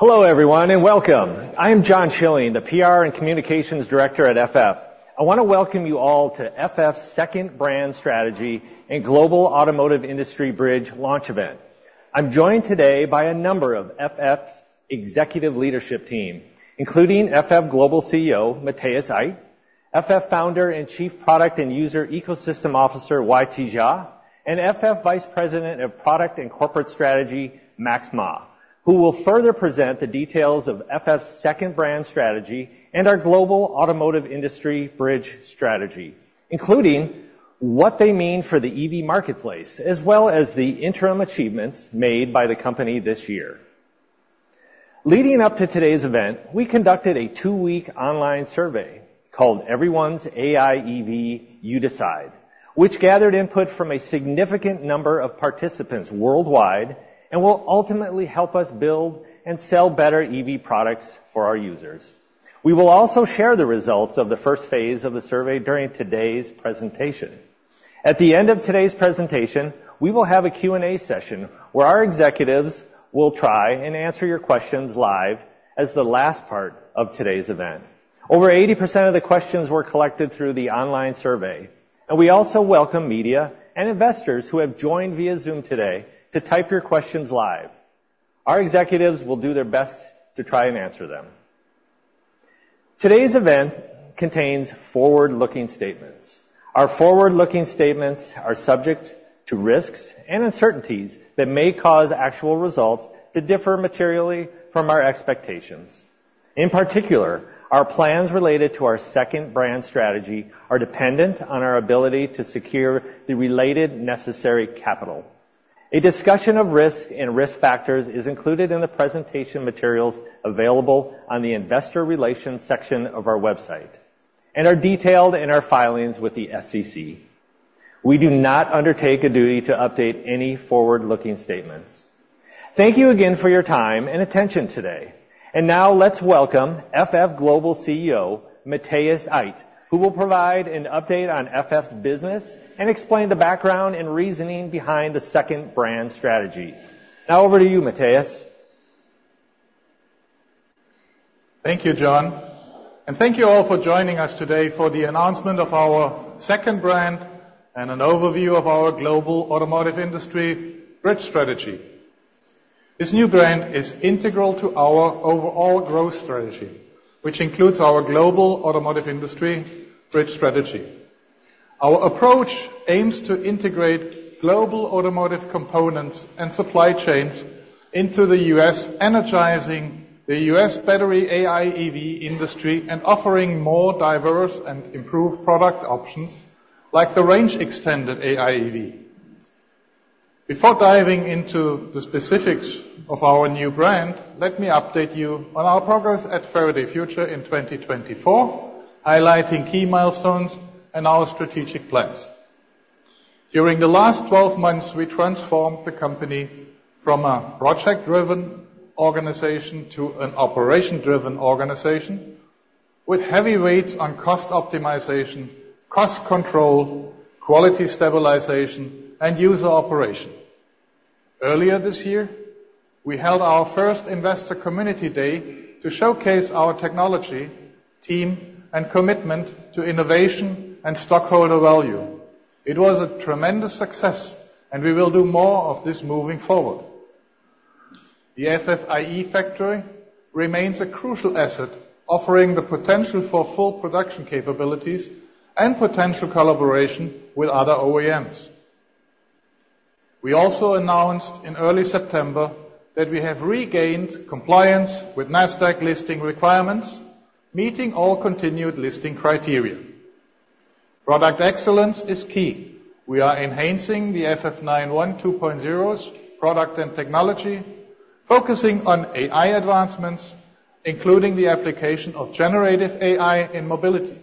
Hello, everyone, and welcome! I am John Schilling, the PR and Communications Director at FF. I wanna welcome you all to FF's Second Brand Strategy and Global Automotive Industry Bridge Launch Event. I'm joined today by a number of FF's executive leadership team, including FF Global CEO Matthias Aydt, FF Founder and Chief Product and User Ecosystem Officer YT Jia, and FF Vice President of Product and Corporate Strategy Max Ma. Who will further present the details of FF's Second Brand Strategy and our Global Automotive Industry Bridge Strategy, including what they mean for the EV marketplace, as well as the interim achievements made by the company this year. Leading up to today's event, we conducted a two-week online survey called Everyone's AIEV: You Decide, which gathered input from a significant number of participants worldwide and will ultimately help us build and sell better EV products for our users. We will also share the results of the first phase of the survey during today's presentation. At the end of today's presentation, we will have a Q&A session, where our executives will try and answer your questions live as the last part of today's event. Over 80% of the questions were collected through the online survey, and we also welcome media and investors who have joined via Zoom today to type your questions live. Our executives will do their best to try and answer them. Today's event contains forward-looking statements. Our forward-looking statements are subject to risks and uncertainties that may cause actual results to differ materially from our expectations. In particular, our plans related to our second brand strategy are dependent on our ability to secure the related necessary capital. A discussion of risks and risk factors is included in the presentation materials available on the Investor Relations section of our website, and are detailed in our filings with the SEC. We do not undertake a duty to update any forward-looking statements. Thank you again for your time and attention today, and now, let's welcome FF Global CEO, Matthias Aydt, who will provide an update on FF's business and explain the background and reasoning behind the second brand strategy. Now over to you, Matthias. Thank you, John, and thank you all for joining us today for the announcement of our second brand and an overview of our global automotive industry bridge strategy. This new brand is integral to our overall growth strategy, which includes our global automotive industry bridge strategy. Our approach aims to integrate global automotive components and supply chains into the U.S., energizing the US battery AIEV industry, and offering more diverse and improved product options, like the range-extended AIEV. Before diving into the specifics of our new brand, let me update you on our progress at Faraday Future in 2024, highlighting key milestones and our strategic plans. During the last 12 months, we transformed the company from a project-driven organization to an operation-driven organization, with heavy weights on cost optimization, cost control, quality stabilization, and user operation. Earlier this year, we held our first Investor Community Day to showcase our technology, team, and commitment to innovation and stockholder value. It was a tremendous success, and we will do more of this moving forward. The FF ieFactory remains a crucial asset, offering the potential for full production capabilities and potential collaboration with other OEMs. We also announced in early September, that we have regained compliance with Nasdaq listing requirements, meeting all continued listing criteria. Product excellence is key. We are enhancing the FF 91 2.0's product and technology, focusing on AI advancements, including the application of generative AI in mobility.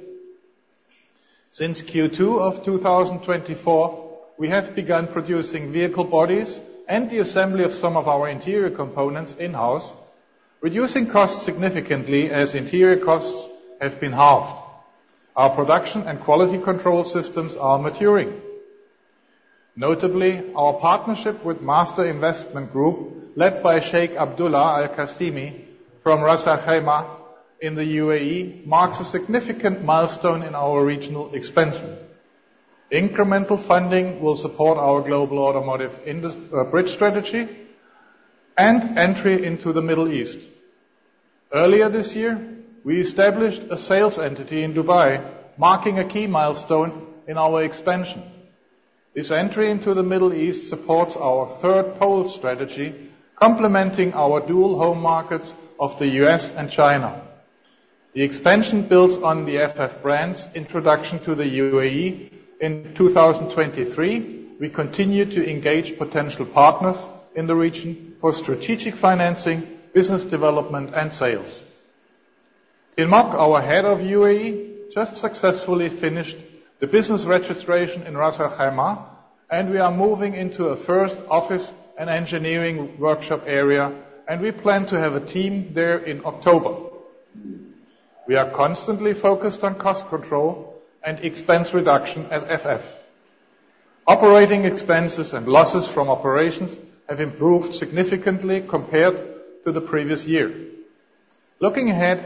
Since Q2 of 2024, we have begun producing vehicle bodies and the assembly of some of our interior components in-house, reducing costs significantly as interior costs have been halved. Our production and quality control systems are maturing. Notably, our partnership with Master Investment Group, led by Sheikh Abdullah Al Qasimi, from Ras Al Khaimah in the UAE, marks a significant milestone in our regional expansion. Incremental funding will support our global automotive bridge strategy and entry into the Middle East. Earlier this year, we established a sales entity in Dubai, marking a key milestone in our expansion. This entry into the Middle East supports our third pole strategy, complementing our dual home markets of the U.S. and China. The expansion builds on the FF brand's introduction to the UAE in 2023. We continue to engage potential partners in the region for strategic financing, business development, and sales. Imad, our head of UAE, just successfully finished the business registration in Ras Al Khaimah, and we are moving into a first office and engineering workshop area, and we plan to have a team there in October. We are constantly focused on cost control and expense reduction at FF. Operating expenses and losses from operations have improved significantly compared to the previous year. Looking ahead,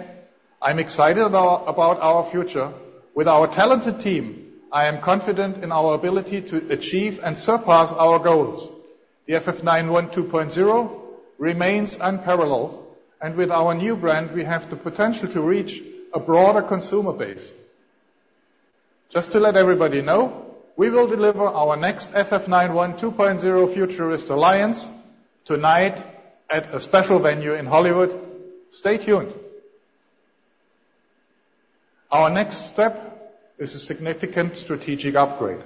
I'm excited about our future. With our talented team, I am confident in our ability to achieve and surpass our goals. The FF 91 2.0 remains unparalleled, and with our new brand, we have the potential to reach a broader consumer base. Just to let everybody know, we will deliver our next FF 91 2.0 Futurist Alliance tonight at a special venue in Hollywood. Stay tuned! Our next step is a significant strategic upgrade.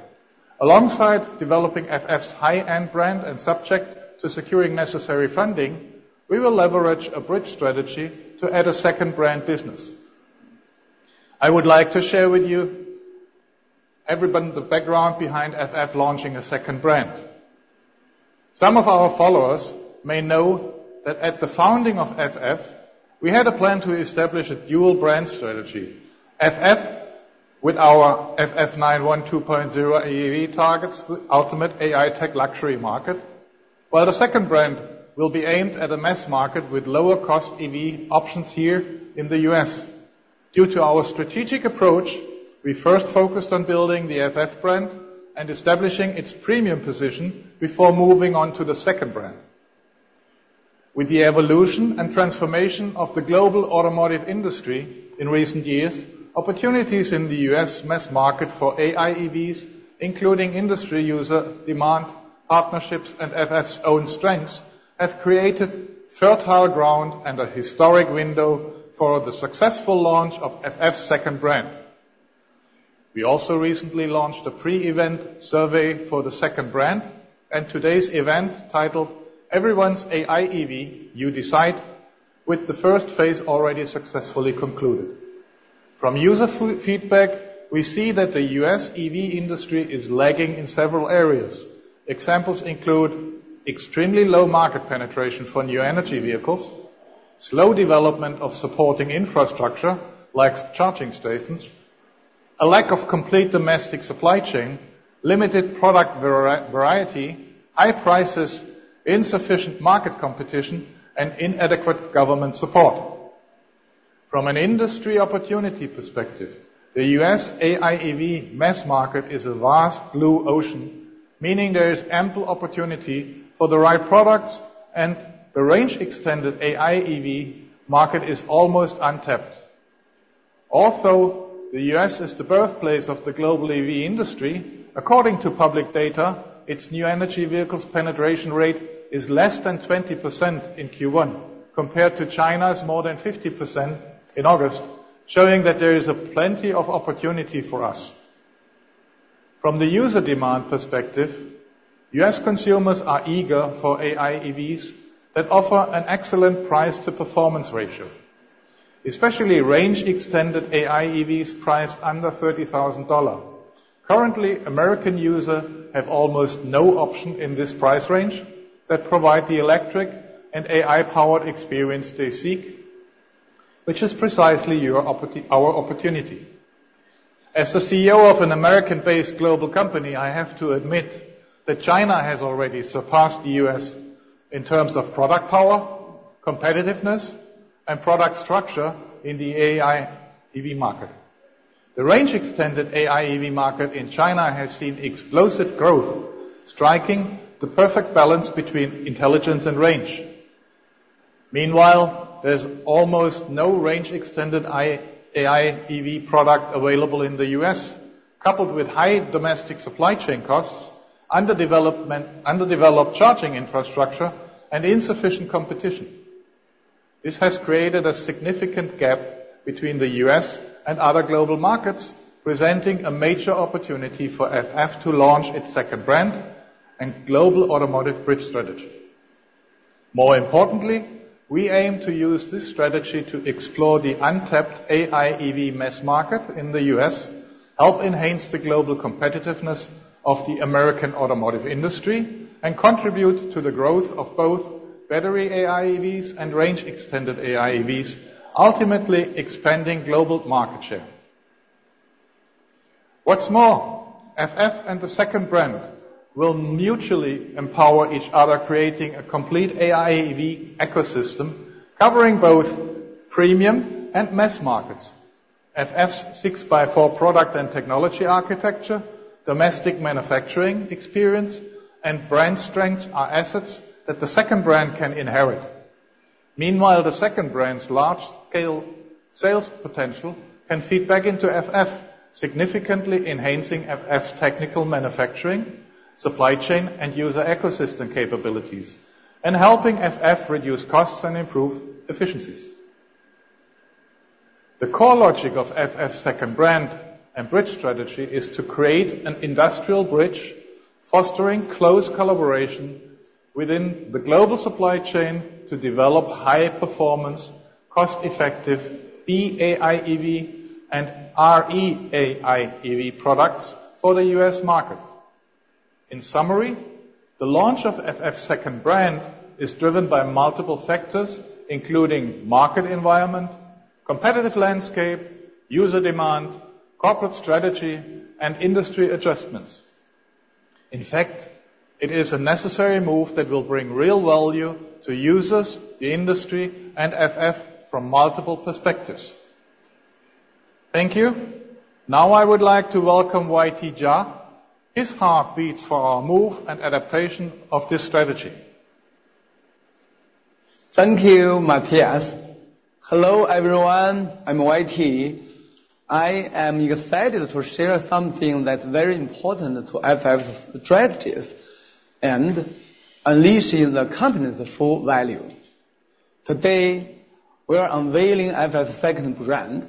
Alongside developing FF's high-end brand and subject to securing necessary funding, we will leverage a bridge strategy to add a second brand business. I would like to share with you, everyone, the background behind FF launching a second brand. Some of our followers may know that at the founding of FF, we had a plan to establish a dual brand strategy. FF, with our FF 91 2.0 AIEV targets, the ultimate AI tech luxury market. While the second brand will be aimed at a mass market with lower cost EV options here in the U.S. Due to our strategic approach, we first focused on building the FF brand and establishing its premium position before moving on to the second brand. With the evolution and transformation of the global automotive industry in recent years, opportunities in the US mass market for AIEVs, including industry user, demand, partnerships, and FF's own strengths, have created fertile ground and a historic window for the successful launch of FF's second brand. We also recently launched a pre-event survey for the second brand, and today's event, titled Everyone's AIEV, You Decide, with the first phase already successfully concluded. From user feedback, we see that the U.S. EV industry is lagging in several areas. Examples include extremely low market penetration for new energy vehicles, slow development of supporting infrastructure, like charging stations, a lack of complete domestic supply chain, limited product variety, high prices, insufficient market competition, and inadequate government support. From an industry opportunity perspective, the U.S. AIEV mass market is a vast blue ocean, meaning there is ample opportunity for the right products, and the range-extended AIEV market is almost untapped. Although the U.S. is the birthplace of the global EV industry, according to public data, its new energy vehicles penetration rate is less than 20% in Q1, compared to China's more than 50% in August, showing that there is plenty of opportunity for us. From the user demand perspective, US consumers are eager for AIEVs that offer an excellent price to performance ratio, especially range-extended AIEVs priced under $30,000. Currently, American users have almost no option in this price range that provide the electric and AI-powered experience they seek, which is precisely our opportunity. As the CEO of an American-based global company, I have to admit that China has already surpassed the U.S. in terms of product power, competitiveness, and product structure in the AIEV market. The range-extended AIEV market in China has seen explosive growth, striking the perfect balance between intelligence and range. Meanwhile, there's almost no range-extended AIEV product available in the U.S., coupled with high domestic supply chain costs, underdeveloped charging infrastructure, and insufficient competition. This has created a significant gap between the U.S. and other global markets, presenting a major opportunity for FF to launch its second brand and global automotive bridge strategy. More importantly, we aim to use this strategy to explore the untapped AIEV mass market in the U.S., help enhance the global competitiveness of the American automotive industry, and contribute to the growth of both battery AIEVs and range-extended AIEVs, ultimately expanding global market share. What's more, FF and the second brand will mutually empower each other, creating a complete AIEV ecosystem covering both premium and mass markets. FF's 6x4 Product and Technology Architecture, domestic manufacturing experience, and brand strengths are assets that the second brand can inherit. Meanwhile, the second brand's large-scale sales potential can feed back into FF, significantly enhancing FF's technical manufacturing, supply chain, and user ecosystem capabilities, and helping FF reduce costs and improve efficiencies. The core logic of FF's second brand and bridge strategy is to create an industrial bridge, fostering close collaboration within the global supply chain to develop high-performance, cost-effective AIEV and RE-AIEV products for the US market. ...In summary, the launch of FF's second brand is driven by multiple factors, including market environment, competitive landscape, user demand, corporate strategy, and industry adjustments. In fact, it is a necessary move that will bring real value to users, the industry, and FF from multiple perspectives. Thank you. Now, I would like to welcome YT Jia. His heart beats for our move and adaptation of this strategy. Thank you, Matthias. Hello, everyone, I'm YT. I am excited to share something that's very important to FF's strategies and unleashing the company's full value. Today, we are unveiling FF's second brand.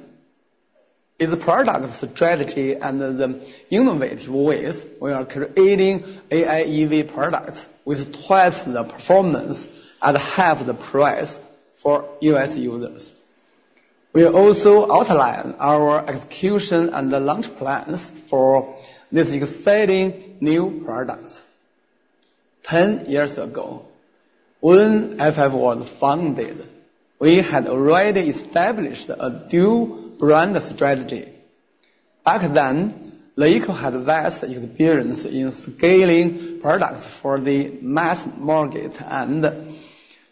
It's a product strategy and the innovative ways we are creating AIEV products with twice the performance at half the price for US users. We also outline our execution and the launch plans for these exciting new products.10 years ago, when FF was founded, we had already established a dual brand strategy. Back then, LeEco had vast experience in scaling products for the mass market and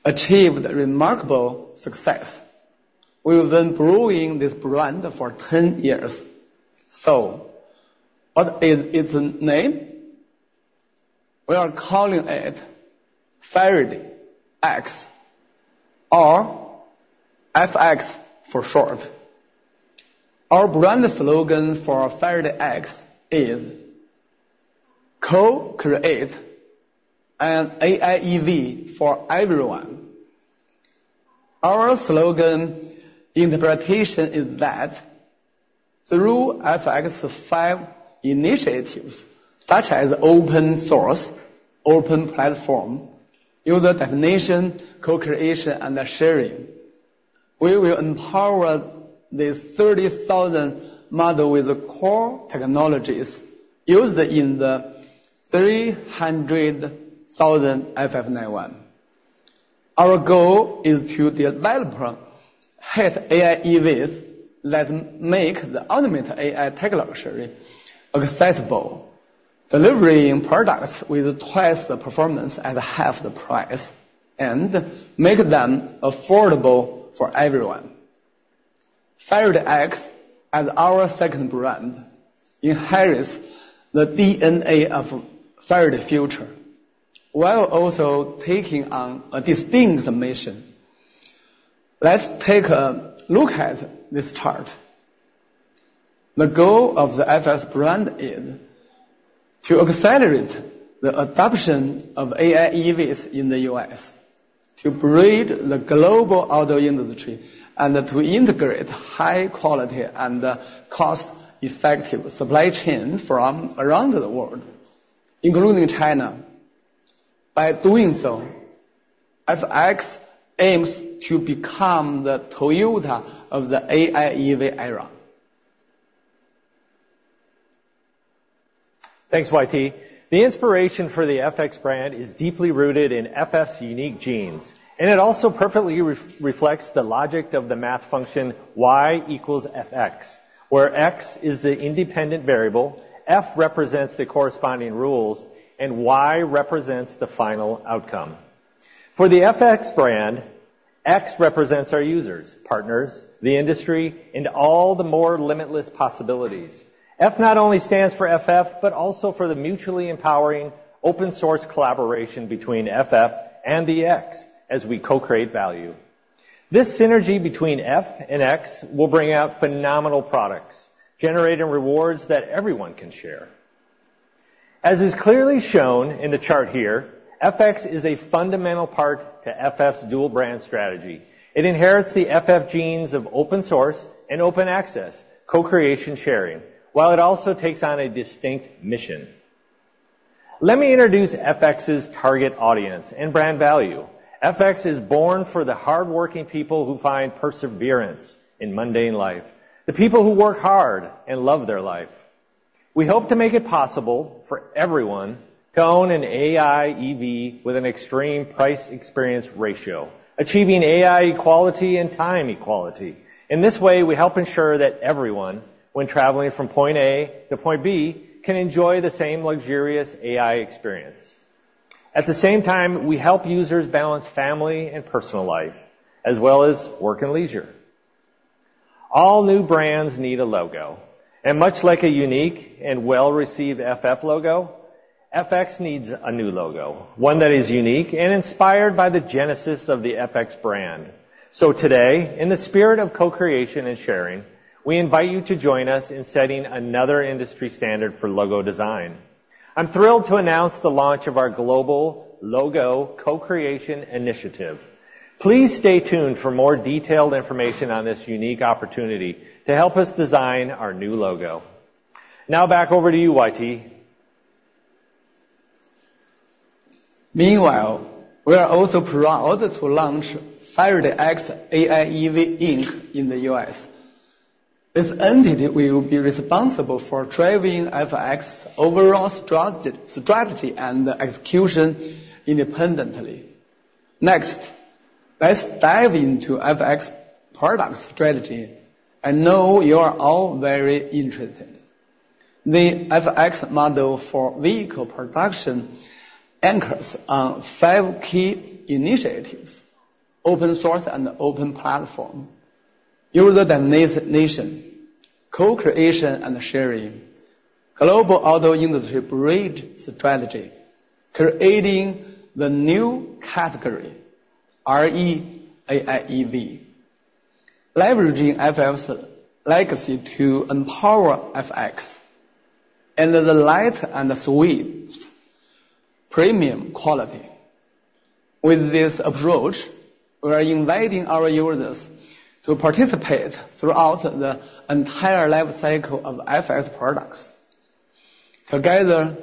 achieved remarkable success. We've been brewing this brand for ten years. So what is its name? We are calling it Farady X or FX for short. Our brand slogan for Farady X is, "Co-create an AIEV for everyone." Our slogan interpretation is that through FX five initiatives, such as open source, open platform, user definition, co-creation, and sharing, we will empower these 30,000 model with the core technologies used in the 300,000 FF 91. Our goal is to develop RE-AIEVs that make the ultimate AI tech luxury accessible, delivering products with twice the performance at half the price, and make them affordable for everyone. Farady X, as our second brand, inherits the DNA of Faraday Future, while also taking on a distinct mission. Let's take a look at this chart. The goal of the FX brand is to accelerate the adoption of AIEVs in the U.S., to lead the global auto industry, and to integrate high quality and cost-effective supply chain from around the world, including China.By doing so, FX aims to become the Toyota of the AIEV era. Thanks, YT. The inspiration for the FX brand is deeply rooted in FF's unique genes, and it also perfectly reflects the logic of the math function Y equals FX, where X is the independent variable, F represents the corresponding rules, and Y represents the final outcome. For the FX brand, X represents our users, partners, the industry, and all the more limitless possibilities. F not only stands for FF, but also for the mutually empowering open source collaboration between FF and the X, as we co-create value. This synergy between F and X will bring out phenomenal products, generating rewards that everyone can share. As is clearly shown in the chart here, FX is a fundamental part to FF's dual brand strategy. It inherits the FF genes of open source and open access, co-creation, sharing, while it also takes on a distinct mission. Let me introduce FX's target audience and brand value. FX is born for the hardworking people who find perseverance in mundane life, the people who work hard and love their life. We hope to make it possible for everyone to own an AIEV with an extreme price-experience ratio, achieving AI equality and time equality. In this way, we help ensure that everyone, when traveling from point A to point B, can enjoy the same luxurious AI experience. At the same time, we help users balance family and personal life, as well as work and leisure. All new brands need a logo, and much like a unique and well-received FF logo, FX needs a new logo, one that is unique and inspired by the genesis of the FX brand. So today, in the spirit of co-creation and sharing, we invite you to join us in setting another industry standard for logo design. I'm thrilled to announce the launch of our global logo co-creation initiative. Please stay tuned for more detailed information on this unique opportunity to help us design our new logo. Now back over to you, YT.... Meanwhile, we are also proud to launch Faraday X AIEV Inc. in the U.S. This entity will be responsible for driving FX's overall strategy and execution independently. Next, let's dive into FX product strategy. I know you are all very interested. The FX model for vehicle production anchors on five key initiatives: open source and open platform, User Definition, co-creation and sharing, global auto industry bridge strategy, creating the new category, RE-AIEV, leveraging FF's legacy to empower FX, and the light and sweet premium quality. With this approach, we are inviting our users to participate throughout the entire life cycle of FX products. Together,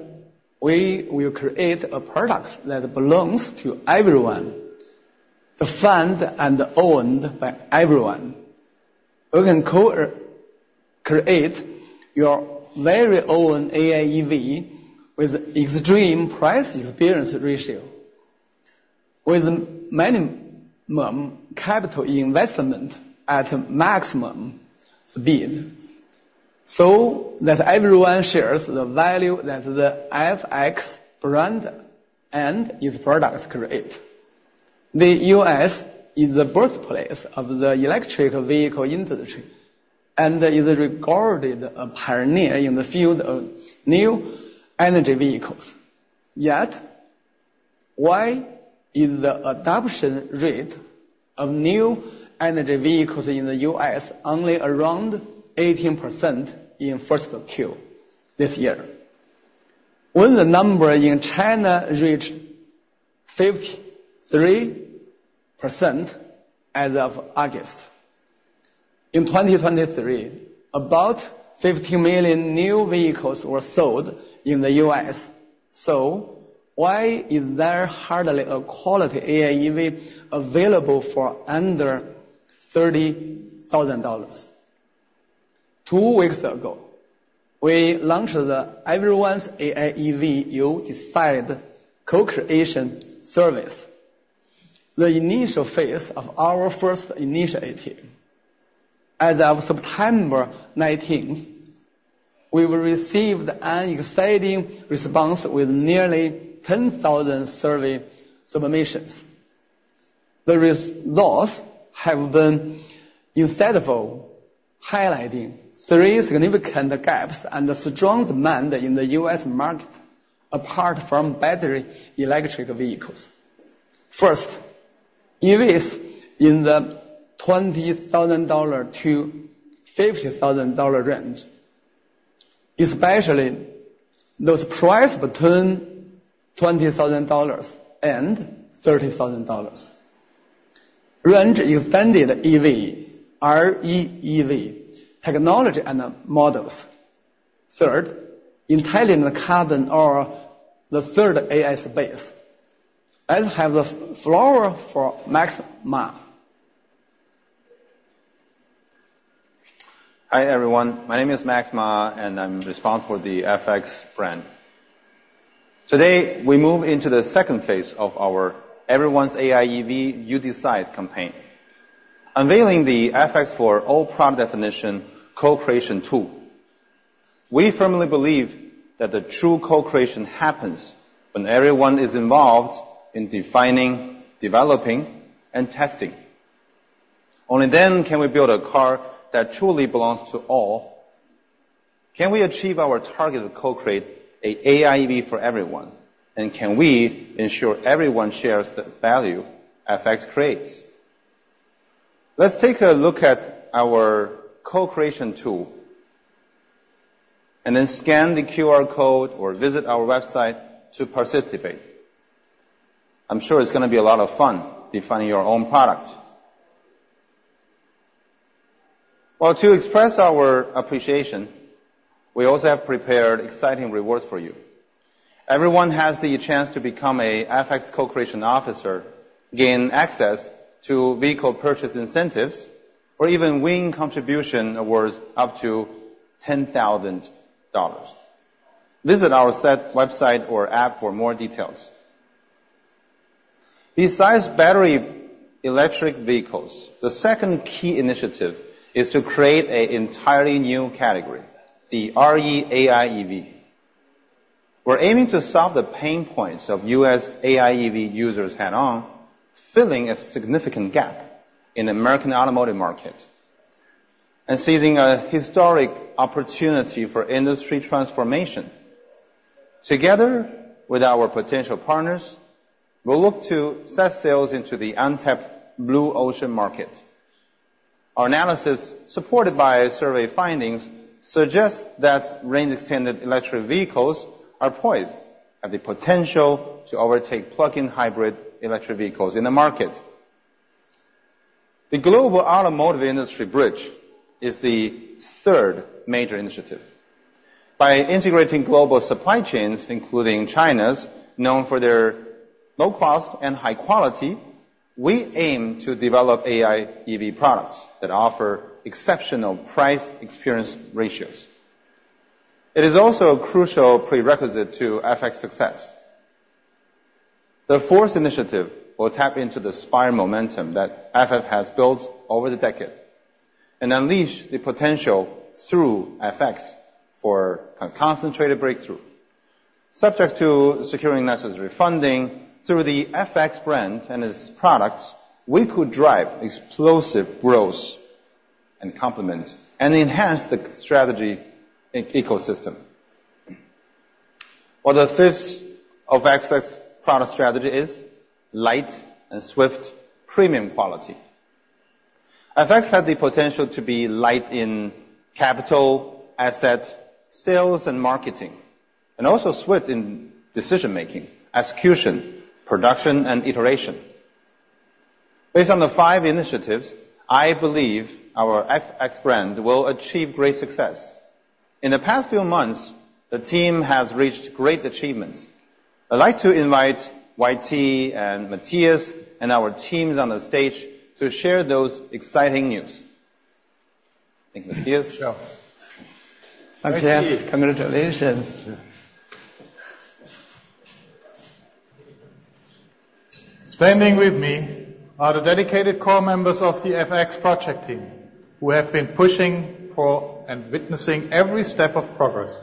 we will create a product that belongs to everyone, defined and owned by everyone. You can co-create your very own AIEV with extreme price-experience ratio, with minimum capital investment at maximum speed, so that everyone shares the value that the FX brand and its products create. The U.S. is the birthplace of the electric vehicle industry, and is regarded a pioneer in the field of new energy vehicles. Yet, why is the adoption rate of new energy vehicles in the US only around 18% in first Q this year, when the number in China reached 53% as of August? In 2023, about 50 million new vehicles were sold in the U.S. So why is there hardly a quality AIEV available for under $30,000? Two weeks ago, we launched the Everyone's AIEV, You Decide co-creation service, the initial phase of our first initiative. As of September 19th, we've received an exciting response with nearly 10,000 survey submissions. The results have been insightful, highlighting three significant gaps and a strong demand in the US market, apart from battery electric vehicles. First, EVs in the $20,000-$50,000 range, especially those priced between $20,000 and $30,000. Range extended EV, RE-AIEV, technology and models. Third, intelligent cabin or the Third AI Space. Let's have the floor for Max Ma. Hi, everyone. My name is Max Ma, and I'm responsible for the FX brand. Today, we move into the phase II of our Everyone's AIEV, You Decide campaign, unveiling the FX for all product definition co-creation tool. We firmly believe that the true co-creation happens when everyone is involved in defining, developing, and testing. Only then can we build a car that truly belongs to all. Can we achieve our target of co-create a AIEV for everyone, and can we ensure everyone shares the value FX creates? Let's take a look at our co-creation tool, and then scan the QR code or visit our website to participate. I'm sure it's gonna be a lot of fun defining your own product. To express our appreciation, we also have prepared exciting rewards for you. Everyone has the chance to become a FX co-creation officer, gain access to vehicle purchase incentives, or even win contribution awards up to $10,000. Visit our site website or app for more details. Besides battery electric vehicles, the second key initiative is to create an entirely new category, the RE-AIEV. We're aiming to solve the pain points of U.S. AIEV users head-on, filling a significant gap in the American automotive market and seizing a historic opportunity for industry transformation. Together, with our potential partners, we'll look to set sails into the untapped blue ocean market. Our analysis, supported by survey findings, suggest that range-extended electric vehicles are poised, have the potential to overtake plug-in hybrid electric vehicles in the market. The global automotive industry bridge is the third major initiative. By integrating global supply chains, including China's, known for their low cost and high quality, we aim to develop AIEV products that offer exceptional price experience ratios. It is also a crucial prerequisite to FX success. The fourth initiative will tap into the hyper momentum that FF has built over the decade, and unleash the potential through FX for a concentrated breakthrough. Subject to securing necessary funding through the FX brand and its products, we could drive explosive growth, and complement, and enhance the strategy ecosystem. The fifth of FX's product strategy is light and swift premium quality. FX has the potential to be light in capital, asset, sales, and marketing, and also swift in decision-making, execution, production, and iteration. Based on the five initiatives, I believe our FX brand will achieve great success. In the past few months, the team has reached great achievements. I'd like to invite YT, and Matthias, and our teams on the stage to share those exciting news. Thank you, Matthias. Sure. Okay, congratulations. Standing with me are the dedicated core members of the FX project team, who have been pushing for and witnessing every step of progress.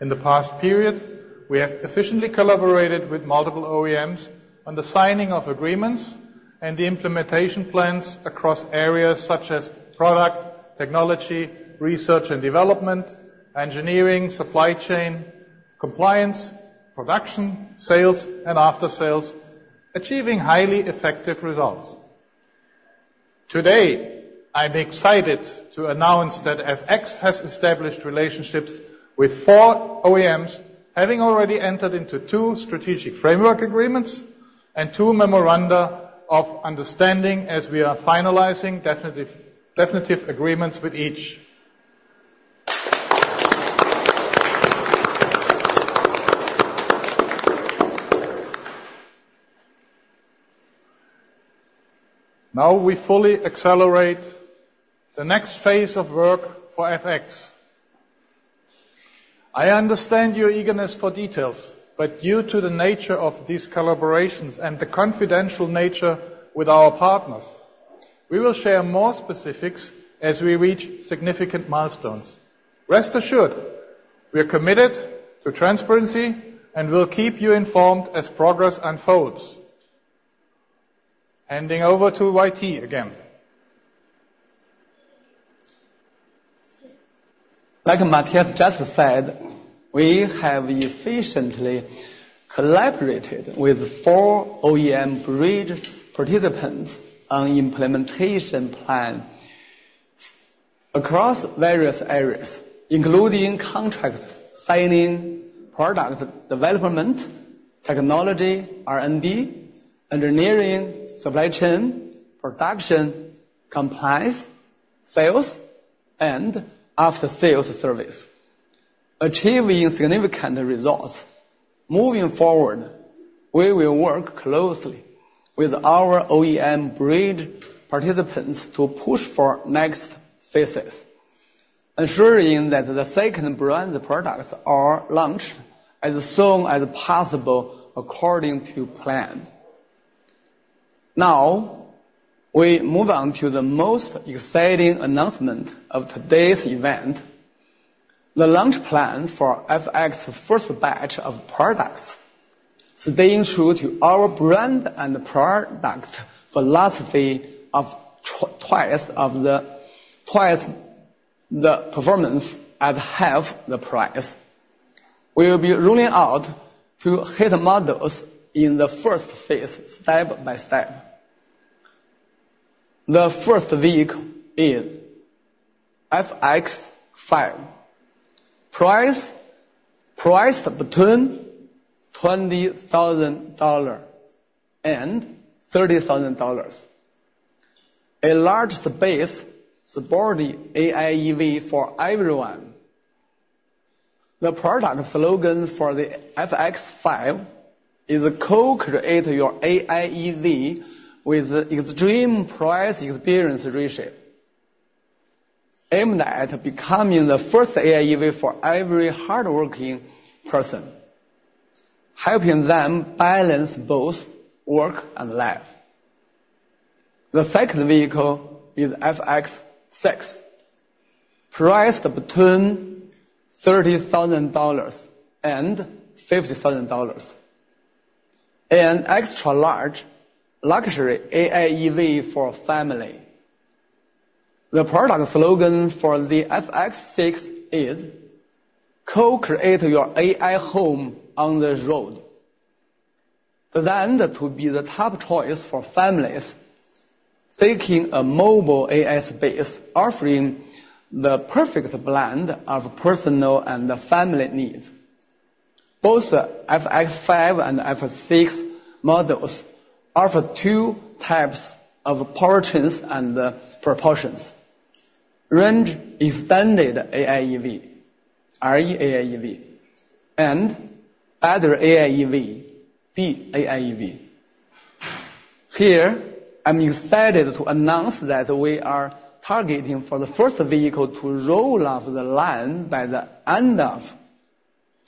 In the past period, we have efficiently collaborated with multiple OEMs on the signing of agreements and the implementation plans across areas such as product, technology, research and development, engineering, supply chain, compliance, production, sales, and aftersales, achieving highly effective results. Today, I'm excited to announce that FX has established relationships with four OEMs, having already entered into two strategic framework agreements and two memoranda of understanding as we are finalizing definitive, definitive agreements with each. Now, we fully accelerate the next phase of work for FX. I understand your eagerness for details, but due to the nature of these collaborations and the confidential nature with our partners, we will share more specifics as we reach significant milestones. Rest assured, we are committed to transparency, and we'll keep you informed as progress unfolds. Handing over to YT again. Like Matthias just said, we have efficiently collaborated with four OEM Bridge participants on implementation plan across various areas, including contracts, signing, product development, technology, R&D, engineering, supply chain, production, compliance, sales, and after-sales service, achieving significant results. Moving forward, we will work closely with our OEM Bridge participants to push for next phases, ensuring that the second brand products are launched as soon as possible, according to plan. Now, we move on to the most exciting announcement of today's event, the launch plan for FX's first batch of products. Staying true to our brand and product philosophy of twice the performance at half the price. We will be rolling out two hit models in the phase I, step by step. The first one is FX 5, priced between $20,000-$30,000. A large space supporting AIEV for everyone. The product slogan for the FX 5 is, "Co-create your AIEV with extreme price experience ratio," aimed at becoming the first AIEV for every hardworking person, helping them balance both work and life. The second vehicle is FX 6, priced between $30,000 and $50,000, an extra-large luxury AIEV for family. The product slogan for the FX 6 is, "Co-create your AI home on the road." Designed to be the top choice for families seeking a mobile AI space, offering the perfect blend of personal and the family needs. Both the FX 5 and FX 6 models offer two types of powertrains and proportions. Range extended AIEV, RE-AIEV, and other AIEV, the AIEV. Here, I'm excited to announce that we are targeting for the first vehicle to roll off the line by the end of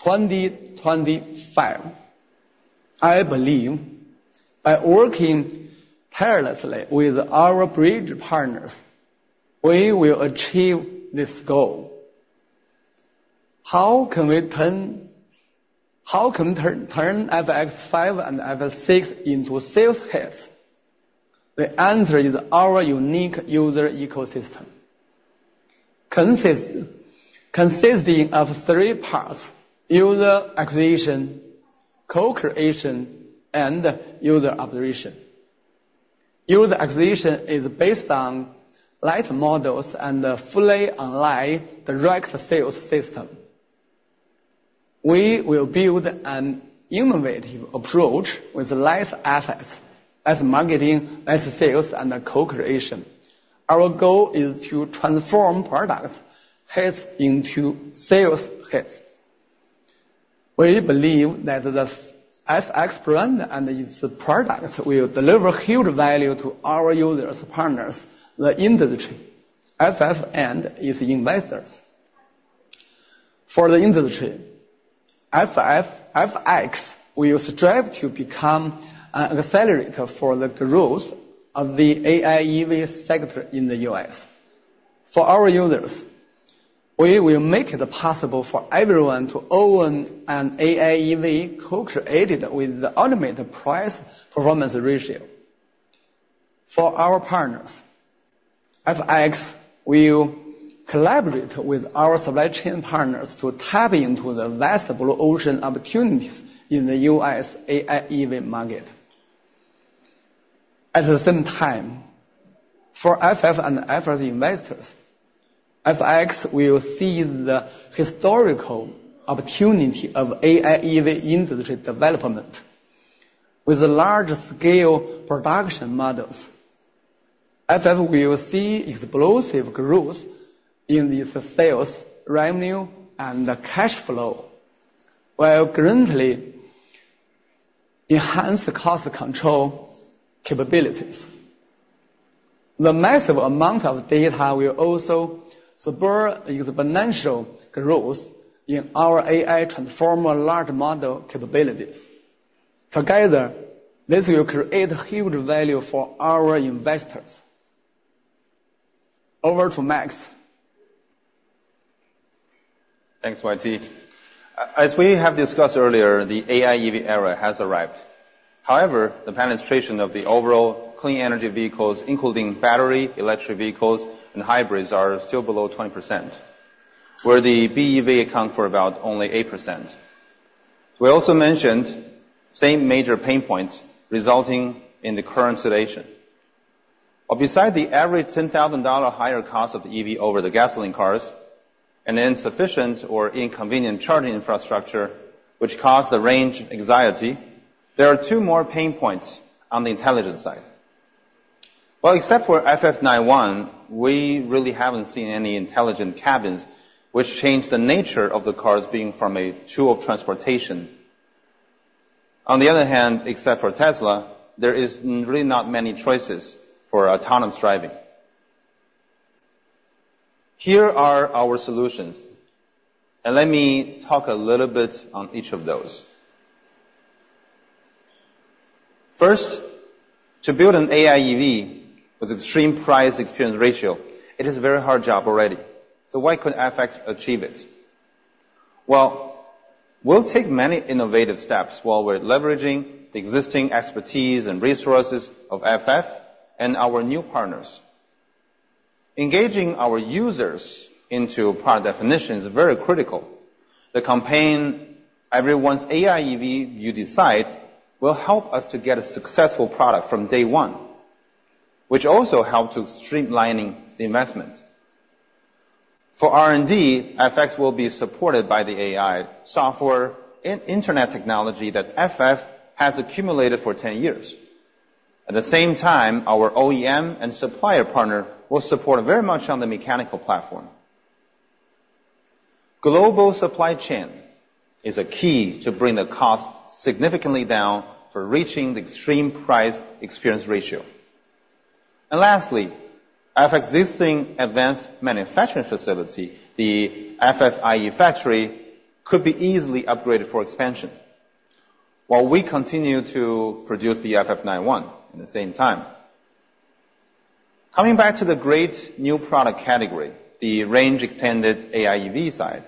2025.I believe by working tirelessly with our bridge partners, we will achieve this goal. How can we turn FX 5 and FX 6 into sales hits? The answer is our unique user ecosystem, consisting of three parts, user acquisition, co-creation, and user operation. User acquisition is based on light models and a fully online direct sales system. We will build an innovative approach with less assets as marketing, less sales, and co-creation. Our goal is to transform products hits into sales hits. We believe that the FX brand and its products will deliver huge value to our users, partners, the industry, FF, and its investors. For the industry, FF, FX will strive to become an accelerator for the growth of the AIEV sector in the U.S. For our users, we will make it possible for everyone to own an AIEV co-created with the ultimate price-performance ratio. For our partners, FX will collaborate with our supply chain partners to tap into the vast blue ocean opportunities in the U.S. AIEV market. At the same time, for FF and FF investors, FX will seize the historical opportunity of AIEV industry development. With large-scale production models, FX will see explosive growth in its sales, revenue, and the cash flow, while greatly enhancing the cost control capabilities. The massive amount of data will also support the exponential growth in our AI transformer large model capabilities. Together, this will create huge value for our investors. Over to Max. Thanks, YT. As we have discussed earlier, the AIEV era has arrived. However, the penetration of the overall clean energy vehicles, including battery electric vehicles, and hybrids, are still below 20%, where the BEV account for about only 8%. We also mentioned same major pain points resulting in the current situation. But besides the average $10,000 higher cost of the EV over the gasoline cars, and insufficient or inconvenient charging infrastructure, which cause the range anxiety, there are two more pain points on the intelligence side. Well, except for FF 91, we really haven't seen any intelligent cabins, which change the nature of the cars being from a tool of transportation. On the other hand, except for Tesla, there is really not many choices for autonomous driving. Here are our solutions, and let me talk a little bit on each of those. First, to build an AIEV with extreme price experience ratio, it is a very hard job already. So why could FX achieve it? Well, we'll take many innovative steps while we're leveraging the existing expertise and resources of FF and our new partners. Engaging our users into product definition is very critical. The campaign, Everyone's AIEV You Decide, will help us to get a successful product from day one, which also help to streamlining the investment. For R&D, FX will be supported by the AI, software, and internet technology that FF has accumulated for 10 years. At the same time, our OEM and supplier partner will support very much on the mechanical platform. Global supply chain is a key to bring the cost significantly down for reaching the extreme price experience ratio. Lastly, FF's existing advanced manufacturing facility, the FFIE factory, could be easily upgraded for expansion, while we continue to produce the FF 91 in the same time. Coming back to the great new product category, the range-extended AIEV side.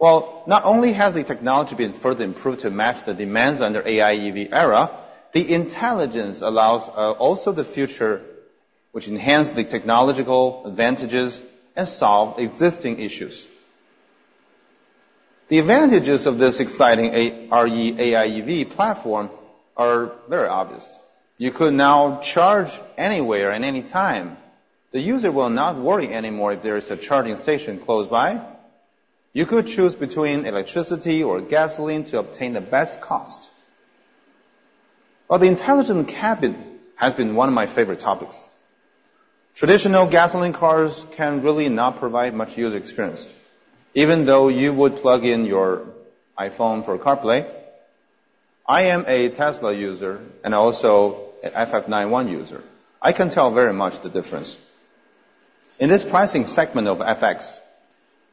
Not only has the technology been further improved to match the demands under AIEV era, the intelligence allows also the future, which enhance the technological advantages and solve existing issues. The advantages of this exciting RE-AIEV platform are very obvious. You could now charge anywhere and anytime. The user will not worry anymore if there is a charging station close by. You could choose between electricity or gasoline to obtain the best cost. But the intelligent cabin has been one of my favorite topics. Traditional gasoline cars can really not provide much user experience, even though you would plug in your iPhone for CarPlay. I am a Tesla user and also an FF 91 user. I can tell very much the difference. In this pricing segment of FX,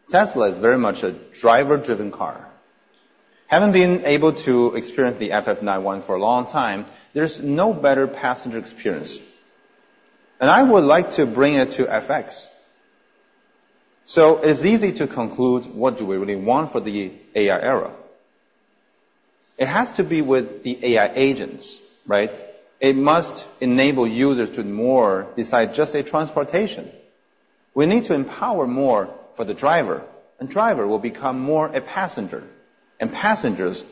Tesla is very much a driver-driven car. Having been able to experience the FF 91 for a long time, there's no better passenger experience, and I would like to bring it to FX. So it's easy to conclude what do we really want for the AI era? It has to be with the AI agents, right? It must enable users to do more besides just transportation. We need to empower more for the driver, and driver will become more a passenger, and passengers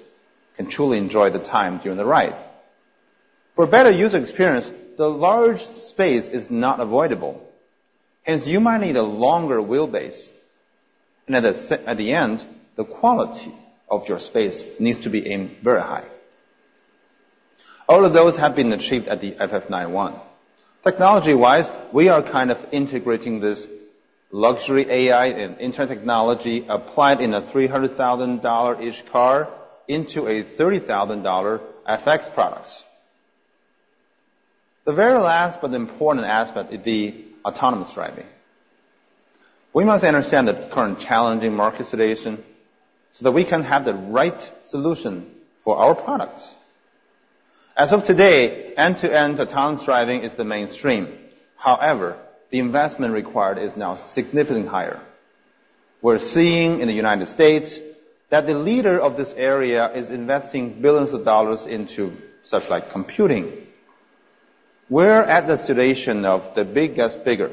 can truly enjoy the time during the ride. For a better user experience, the large space is not avoidable, hence you might need a longer wheelbase, and at the end, the quality of your space needs to be aimed very high. All of those have been achieved at the FF 91. Technology-wise, we are kind of integrating this luxury AI and internet technology applied in a $300,000-ish car into a $30,000 FX products. The very last but important aspect is the autonomous driving. We must understand the current challenging market situation so that we can have the right solution for our products. As of today, end-to-end autonomous driving is the mainstream. However, the investment required is now significantly higher. We're seeing in the United States that the leader of this area is investing billions of dollars into such like computing. We're at the situation of the big gets bigger.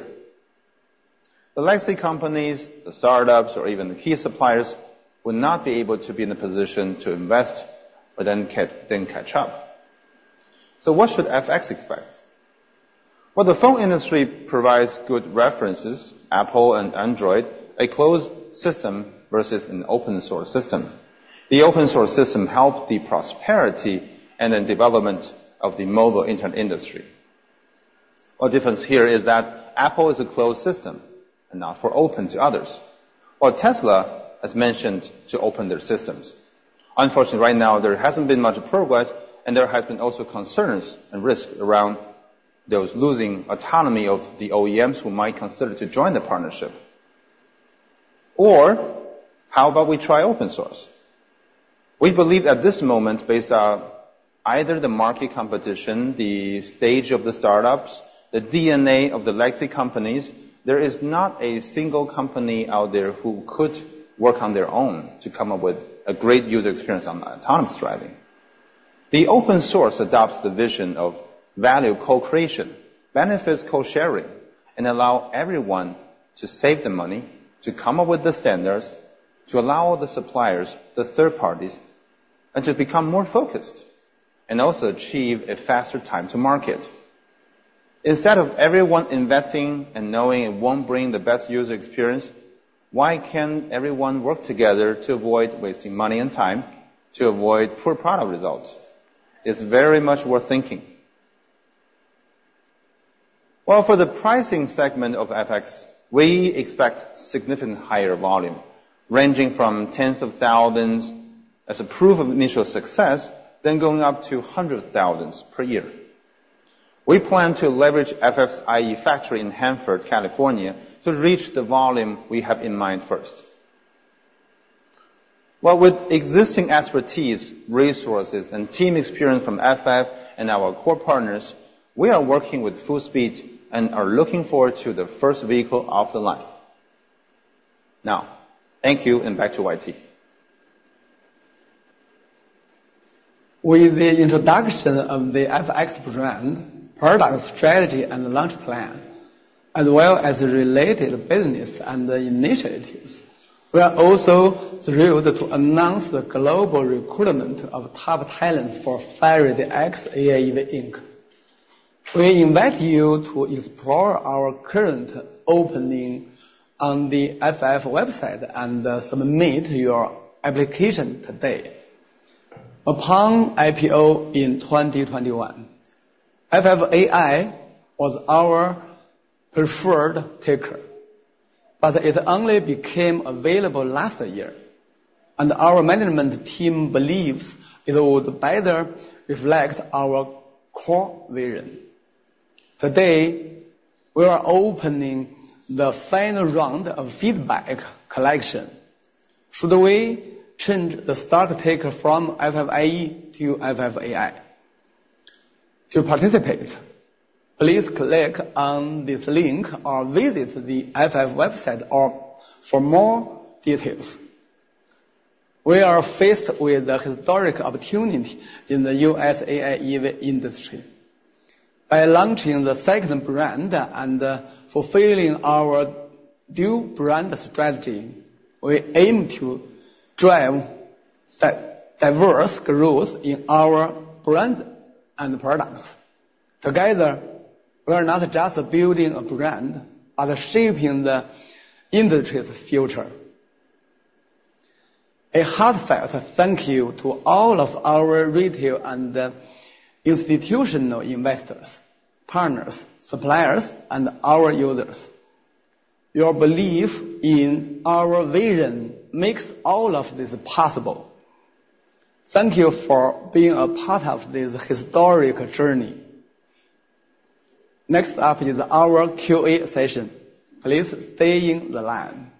The legacy companies, the startups, or even the key suppliers, will not be able to be in a position to invest, but then catch up. So what should FX expect? Well, the phone industry provides good references, Apple and Android, a closed system versus an open source system. The open source system helped the prosperity and the development of the mobile internet industry. Our difference here is that Apple is a closed system and not open to others. While Tesla has mentioned to open their systems, unfortunately, right now, there hasn't been much progress, and there has been also concerns and risk around those losing autonomy of the OEMs who might consider to join the partnership. Or how about we try open source? We believe at this moment, based on either the market competition, the stage of the startups, the DNA of the legacy companies, there is not a single company out there who could work on their own to come up with a great user experience on autonomous driving. The open source adopts the vision of value co-creation, benefits co-sharing, and allow everyone to save the money, to come up with the standards, to allow the suppliers, the third parties, and to become more focused, and also achieve a faster time to market. Instead of everyone investing and knowing it won't bring the best user experience, why can't everyone work together to avoid wasting money and time, to avoid poor product results? It's very much worth thinking. For the pricing segment of FX, we expect significantly higher volume, ranging from tens of thousands as a proof of initial success, then going up to hundred thousands per year. We plan to leverage FF's ieFactory in Hanford, California, to reach the volume we have in mind first. With existing expertise, resources, and team experience from FF and our core partners, we are working with full speed and are looking forward to the first vehicle off the line. Now, thank you, and back to YT. With the introduction of the FX brand, product strategy, and the launch plan, as well as the related business and the initiatives, we are also thrilled to announce the global recruitment of top talent for Farady AI Inc. We invite you to explore our current opening on the FF website and submit your application today. Upon IPO in 2021, FFIE was our preferred ticker, but it only became available last year, and our management team believes it would better reflect our core vision. Today, we are opening the final round of feedback collection. Should we change the stock ticker from FFIE to FFIE? To participate, please click on this link or visit the FF website or for more details. We are faced with a historic opportunity in the U.S. AIEV industry. By launching the second brand and fulfilling our new brand strategy, we aim to drive-... diverse growth in our brand and products. Together, we are not just building a brand, but shaping the industry's future. A heartfelt thank you to all of our retail and institutional investors, partners, suppliers, and our users. Your belief in our vision makes all of this possible. Thank you for being a part of this historic journey. Next up is our QA session. Please stay on the line.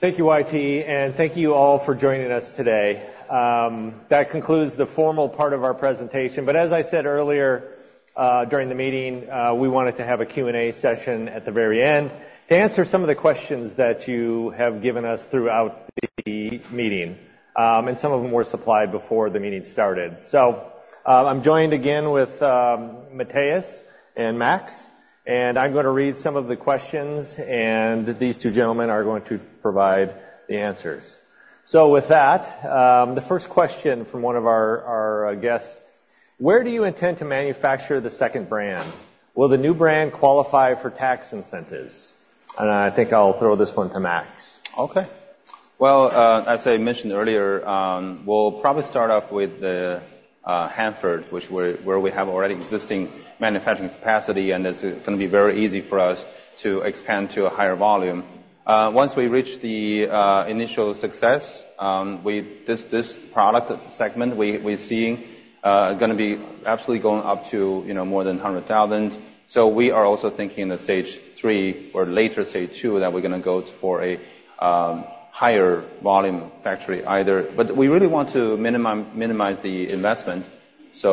Thank you, YT, and thank you all for joining us today. That concludes the formal part of our presentation, but as I said earlier, during the meeting, we wanted to have a Q&A session at the very end to answer some of the questions that you have given us throughout the meeting. And some of them were supplied before the meeting started. So, I'm joined again with Matthias and Max, and I'm gonna read some of the questions, and these two gentlemen are going to provide the answers. So with that, the first question from one of our guests: Where do you intend to manufacture the second brand? Will the new brand qualify for tax incentives? And I think I'll throw this one to Max. Okay. Well, as I mentioned earlier, we'll probably start off with the Hanford, which is where we have already existing manufacturing capacity, and it's gonna be very easy for us to expand to a higher volume. Once we reach the initial success, this product segment, we're seeing gonna be absolutely going up to, you know, more than 100,000. So we are also thinking in the stage three or later, stage two, that we're gonna go for a higher volume factory, either. But we really want to minimize the investment, so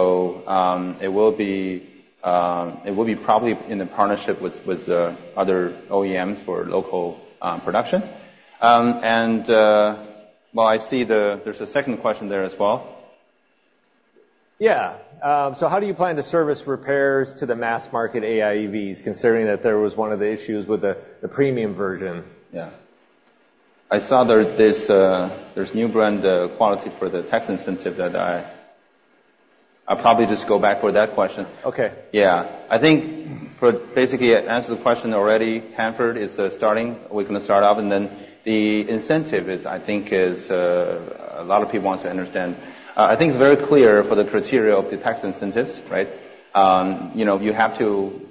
it will be probably in a partnership with the other OEM for local production. And well, I see there's a second question there as well. Yeah, so how do you plan to service repairs to the mass market AIEVs, considering that there was one of the issues with the premium version? Yeah. I saw there, there's new brand eligibility for the tax incentive that I'll probably just go back for that question. Okay. Yeah. I think basically, I answered the question already. Hanford is starting. We're gonna start off, and then the incentive is, I think, is a lot of people want to understand. I think it's very clear for the criteria of the tax incentives, right? You know, you have to.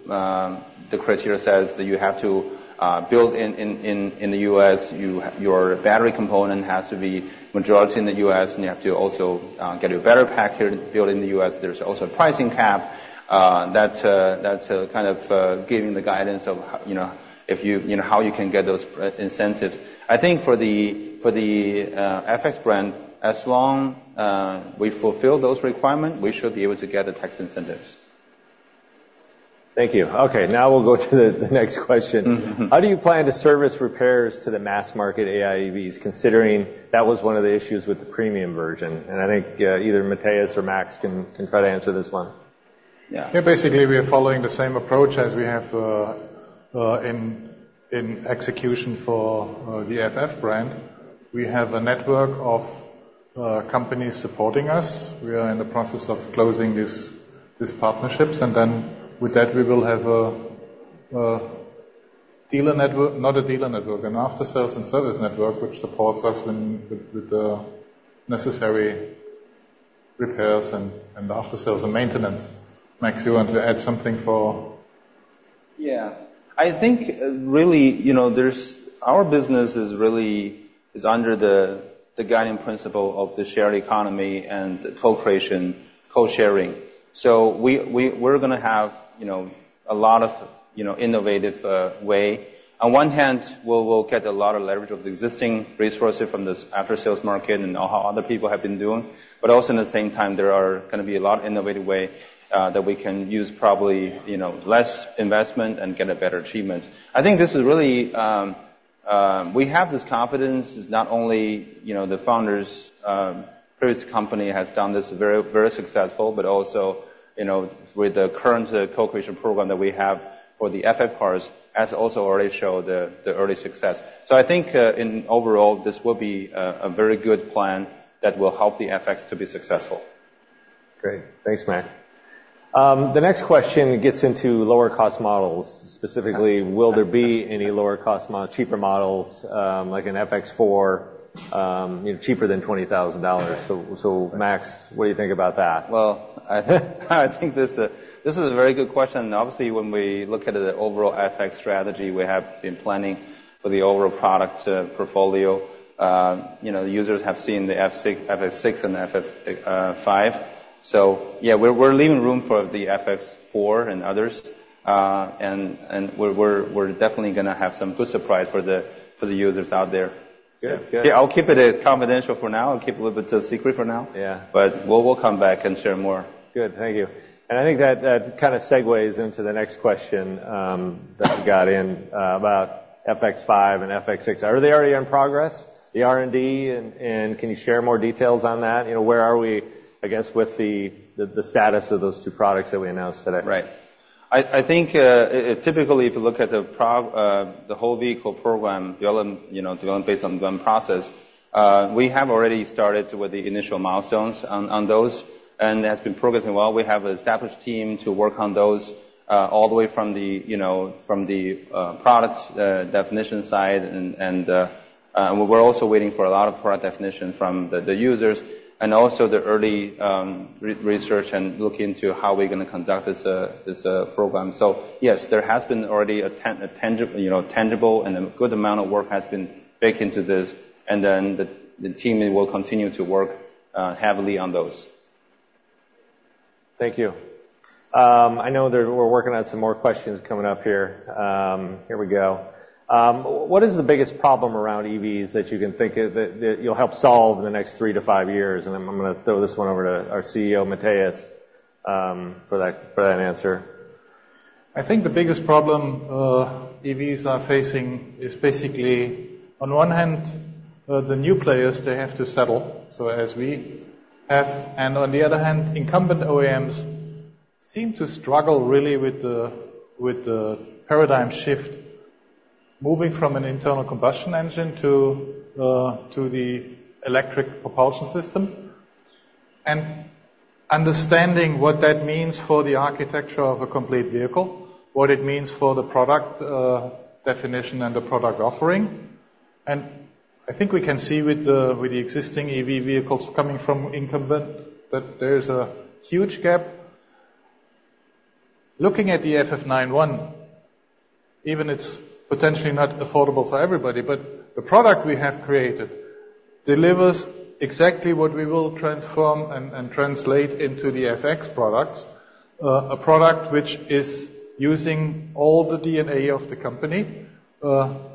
The criteria says that you have to build in the U.S. Your battery component has to be majority in the U.S., and you have to also get a battery pack here built in the U.S. There's also a pricing cap that kind of giving the guidance of how you know, if you you know, how you can get those price incentives.I think for the FX brand, as long we fulfill those requirements, we should be able to get the tax incentives. Thank you. Okay, now we'll go to the next question. How do you plan to service repairs to the mass market AIEVs, considering that was one of the issues with the premium version? And I think, either Matthias or Max can try to answer this one. Yeah. Yeah, basically, we are following the same approach as we have in execution for the FF brand. We have a network of companies supporting us. We are in the process of closing these partnerships, and then with that, we will have a dealer network - not a dealer network, an aftersales and service network, which supports us with the necessary repairs and aftersales and maintenance. Max, you want to add something for- Yeah. I think really, you know, there's our business is really under the guiding principle of the shared economy and co-creation, co-sharing. So we're gonna have, you know, a lot of innovative way. On one hand, we'll get a lot of leverage of the existing resources from this aftersales market and know how other people have been doing. But also, in the same time, there are gonna be a lot of innovative way that we can use probably, you know, less investment and get a better achievement. I think this is really we have this confidence. It's not only, you know, the founders previous company has done this very, very successful, but also, you know, with the current co-creation program that we have for the FF cars, has also already showed the early success.I think, in overall, this will be a very good plan that will help the FX to be successful. Great. Thanks, Max. The next question gets into lower cost models. Specifically, will there be any lower cost model, cheaper models, like an FX 4, you know, cheaper than $20,000? So, Max, what do you think about that? I think this is a very good question, and obviously, when we look at the overall FX strategy, we have been planning for the overall product portfolio. You know, the users have seen the FX 6 and the FX 5. So yeah, we're definitely gonna have some good surprise for the users out there. Good. Good. Yeah, I'll keep it confidential for now and keep a little bit of a secret for now. Yeah. But we'll come back and share more. Good. Thank you. And I think that, that kind of segues into the next question that we got in about FX 5 and FX 6, are they already in progress, the R&D? And can you share more details on that? You know, where are we, I guess, with the status of those two products that we announced today? Right. I think, typically, if you look at the whole vehicle program, the development, you know, development based on the process, we have already started with the initial milestones on those, and it has been progressing well. We have an established team to work on those, all the way from the, you know, from the product definition side. We're also waiting for a lot of product definition from the users, and also the early research and look into how we're gonna conduct this program. So yes, there has been already a tangible, you know, tangible, and a good amount of work has been baked into this, and then the team will continue to work heavily on those. Thank you. I know that we're working on some more questions coming up here. Here we go. What is the biggest problem around EVs that you can think of that you'll help solve in the next 3-5 years? And I'm gonna throw this one over to our CEO, Matthias, for that answer. I think the biggest problem, EVs are facing is basically, on one hand, the new players, they have to settle, so as we have, and on the other hand, incumbent OEMs seem to struggle really with the paradigm shift, moving from an internal combustion engine to the electric propulsion system, and understanding what that means for the architecture of a complete vehicle, what it means for the product definition and the product offering. And I think we can see with the existing EV vehicles coming from incumbent, that there is a huge gap. Looking at the FF 91, even it's potentially not affordable for everybody, but the product we have created delivers exactly what we will transform and translate into the FX products. A product which is using all the DNA of the company,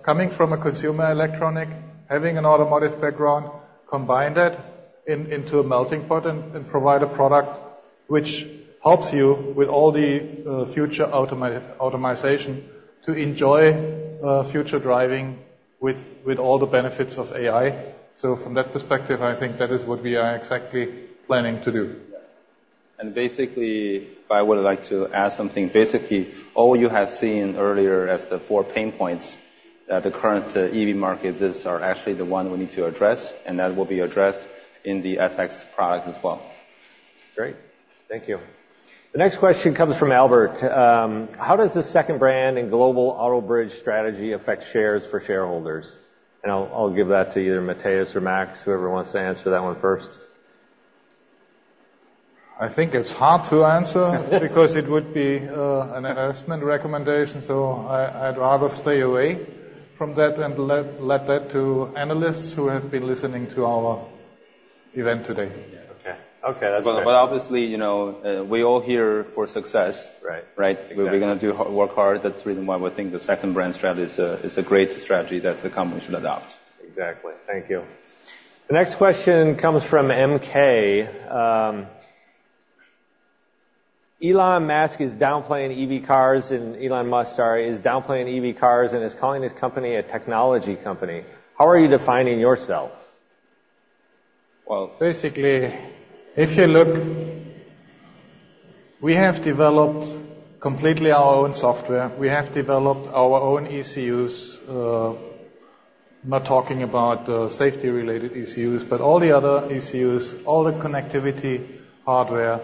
coming from consumer electronics, having an automotive background, combine that into a melting pot and provide a product which helps you with all the future automation to enjoy future driving with all the benefits of AI. From that perspective, I think that is what we are exactly planning to do. Yeah, and basically, I would like to add something. Basically, all you have seen earlier as the four pain points, the current EV markets, these are actually the one we need to address, and that will be addressed in the FX product as well. Great. Thank you. The next question comes from Albert: How does the second brand and global auto bridge strategy affect shares for shareholders? And I'll give that to either Matthias or Max, whoever wants to answer that one first. I think it's hard to answer because it would be an investment recommendation, so I'd rather stay away from that and leave that to analysts who have been listening to our event today. Yeah. Okay. Okay, that's fair. But obviously, you know, we're all here for success. Right. Right? Exactly. We're gonna work hard. That's the reason why we think the second brand strategy is a great strategy that the company should adopt. Exactly. Thank you. The next question comes from M.K.: Elon Musk is downplaying EV cars and is calling his company a technology company. How are you defining yourself? Basically, if you look, we have developed completely our own software. We have developed our own ECUs. I'm not talking about safety-related ECUs, but all the other ECUs, all the connectivity, hardware.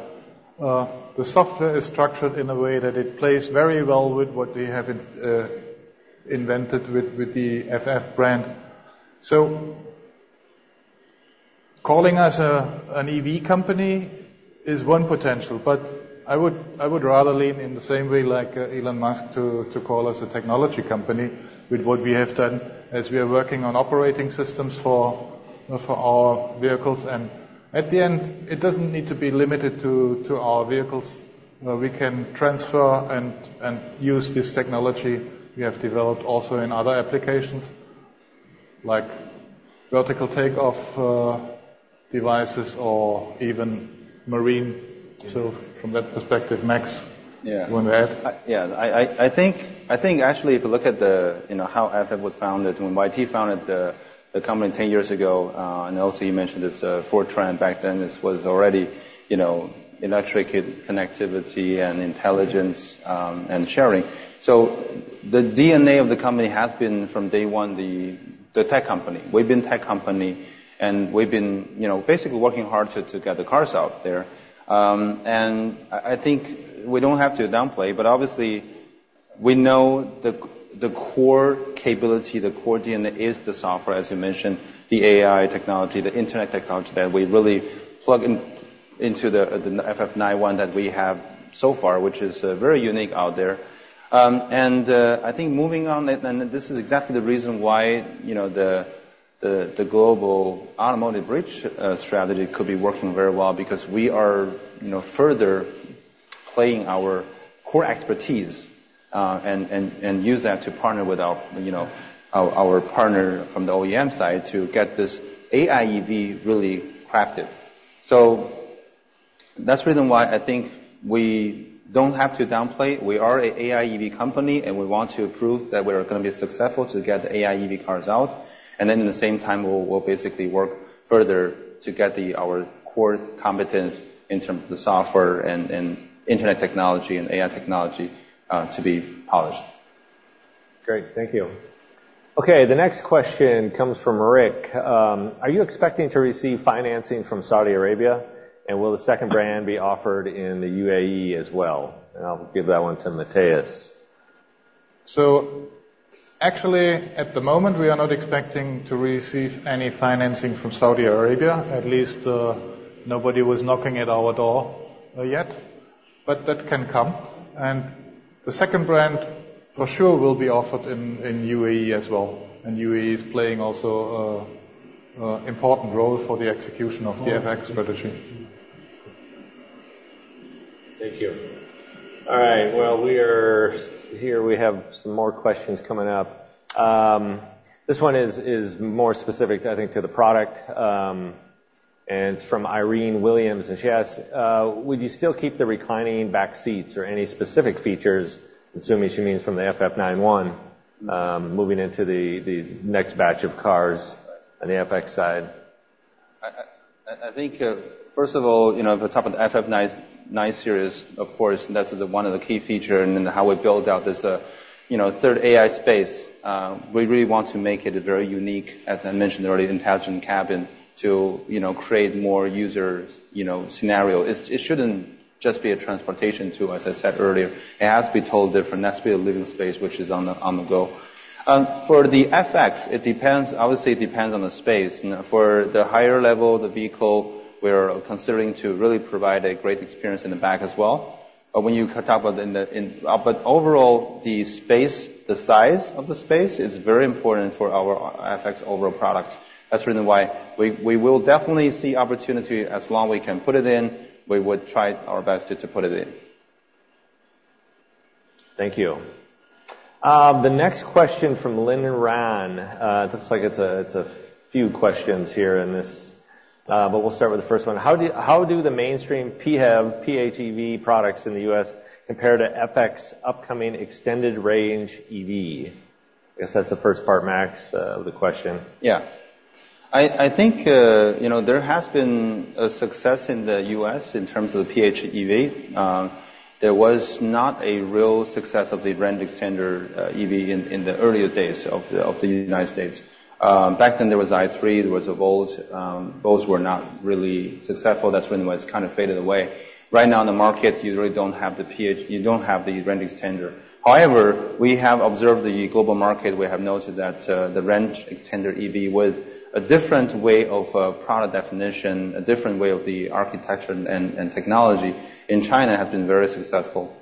The software is structured in a way that it plays very well with what we have invented with the FF brand. So calling us an EV company is one potential, but I would rather lean in the same way like Elon Musk to call us a technology company with what we have done as we are working on operating systems for our vehicles. At the end, it doesn't need to be limited to our vehicles. We can transfer and use this technology we have developed also in other applications, like vertical takeoff devices or even marine. So from that perspective, Max- Yeah. You want to add? Yeah, I think actually, if you look at the, you know, how FF was founded, when YT founded the company ten years ago, and also you mentioned this four trends back then, this was already, you know, electric connectivity and intelligence, and sharing. So the DNA of the company has been, from day one, the tech company. We've been tech company, and we've been, you know, basically working hard to get the cars out there. And I think we don't have to downplay, but obviously, we know the core capability, the core DNA is the software, as you mentioned, the AI technology, the internet technology that we really plug into the FF91 that we have so far, which is very unique out there. I think moving on, and this is exactly the reason why, you know, the global automotive bridge strategy could be working very well, because we are, you know, further playing our core expertise, and use that to partner with our, you know, our partner from the OEM side to get this AI EV really crafted. That's the reason why I think we don't have to downplay. We are a AIEV company, and we want to prove that we are gonna be successful to get the AIEV cars out, and then in the same time, we'll basically work further to get our core competence in terms of the software and internet technology and AI technology to be polished. Great, thank you. Okay, the next question comes from Rick. Are you expecting to receive financing from Saudi Arabia, and will the second brand be offered in the UAE as well? And I'll give that one to Matthias. So actually, at the moment, we are not expecting to receive any financing from Saudi Arabia. At least, nobody was knocking at our door yet, but that can come. And the second brand, for sure, will be offered in UAE as well. And UAE is playing also an important role for the execution of the FX strategy. Thank you. All right, well, we are here, we have some more questions coming up. This one is more specific, I think, to the product, and it's from Irene Williams, and she asks: Would you still keep the reclining back seats or any specific features, assuming she means from the FF 91, moving into the next batch of cars on the FX side? I think, first of all, you know, at the top of the FF 91 series, of course, that's one of the key features and then how we build out this third AI space. We really want to make it very unique, as I mentioned earlier, intelligent cabin to create more user scenarios. It shouldn't just be a transportation tool, as I said earlier. It has to be totally different, it has to be a living space, which is on the go. For the FX, it depends, obviously, on the space. You know, for the higher level vehicle, we're considering to really provide a great experience in the back as well. But when you talk about in the, but overall, the space, the size of the space is very important for our FX overall product. That's the reason why we will definitely see opportunity. As long as we can put it in, we would try our best to put it in. Thank you. The next question from Lynn Ran. It looks like it's a few questions here in this, but we'll start with the first one. How do the mainstream PHEV products in the U.S. compare to FX upcoming extended range EV? I guess that's the first part, Max, of the question. Yeah. I think, you know, there has been a success in the U.S. in terms of the PHEV. There was not a real success of the range extender EV in the earlier days of the United States. Back then, there was i3, there was a Volt. Volts were not really successful. That's when it was kind of faded away. Right now, in the market, you really don't have the range extender. However, we have observed the global market. We have noticed that the range extender EV, with a different way of product definition, a different way of the architecture and technology, in China, has been very successful.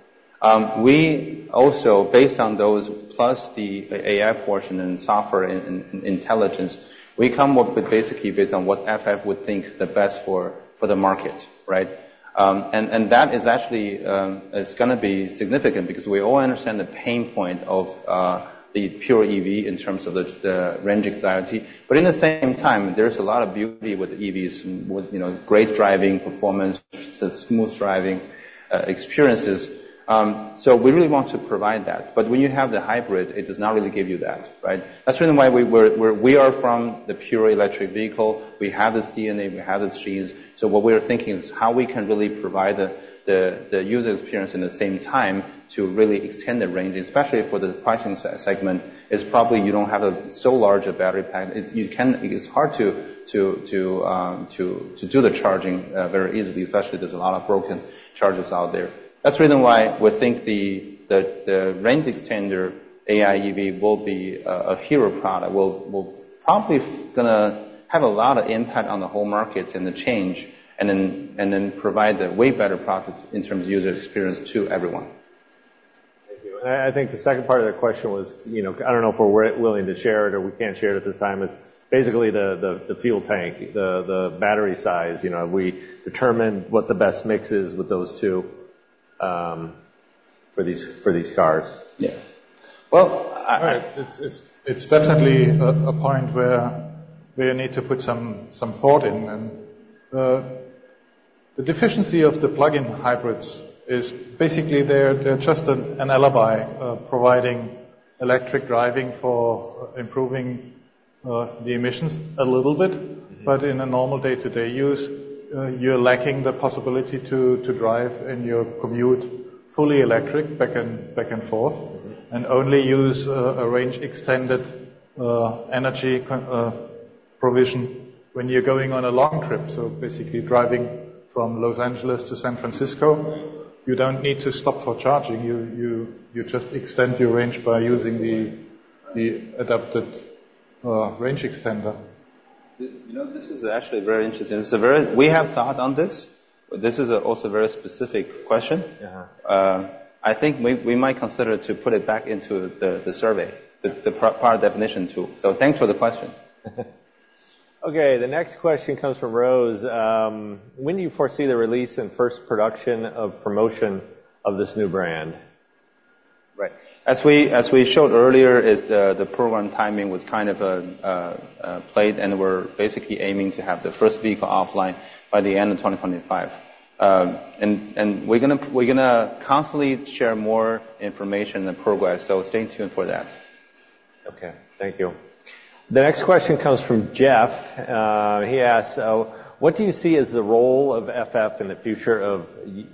We also, based on those, plus the AI portion and software and intelligence, we come up with basically based on what FF would think the best for the market, right? And that is actually gonna be significant because we all understand the pain point of the pure EV in terms of the range anxiety. But in the same time, there's a lot of beauty with EVs, with you know, great driving performance, smooth driving experiences. So we really want to provide that, but when you have the hybrid, it does not really give you that, right? That's the reason why we are from the pure electric vehicle. We have this DNA, we have these genes. So what we're thinking is how we can really provide the user experience, in the same time, to really extend the range, especially for the pricing segment, is probably you don't have so large a battery pack. It's hard to do the charging very easily, especially there's a lot of broken chargers out there. That's the reason why we think the range extender AIEV will be a hero product, will probably gonna have a lot of impact on the whole market and the change, and then provide a way better product in terms of user experience to everyone. Thank you. And I think the second part of the question was, you know, I don't know if we're willing to share it or we can't share it at this time. It's basically the fuel tank, the battery size. You know, we determine what the best mix is with those two for these cars. Yeah. Well, Right. It's definitely a point where you need to put some thought in. And the deficiency of the plug-in hybrids is basically they're just an alibi providing electric driving for improving the emissions a little bit. Mm-hmm. But in a normal day-to-day use, you're lacking the possibility to drive and you commute fully electric, back and forth. Mm. And only use a range extended energy provision when you're going on a long trip. So basically, driving from Los Angeles to San Francisco, you don't need to stop for charging. You just extend your range by using the adapted range extender. You know, this is actually very interesting. It's a very... We have thought on this, but this is also a very specific question. Uh-huh. I think we might consider to put it back into the survey, the power definition tool. So thanks for the question. Okay, the next question comes from Rose. When do you foresee the release and first production and promotion of this new brand? ...As we showed earlier, the program timing was kind of delayed, and we're basically aiming to have the first vehicle offline by the end of 2025, and we're gonna constantly share more information and progress, so stay tuned for that. Okay, thank you. The next question comes from Jeff. He asks: "What do you see as the role of FF in the future of